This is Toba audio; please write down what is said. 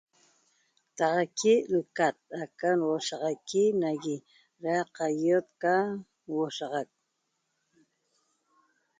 Taxaqui lcat aca nhuoshaxaqui nagui ra qaio'ot ca nhuoshaxac